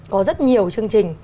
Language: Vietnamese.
có rất nhiều chương trình